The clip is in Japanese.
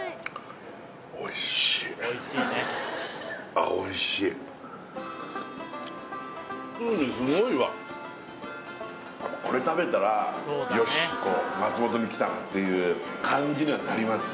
ああおいしい風味すごいわこれ食べたらよし松本に来たなっていう感じにはなります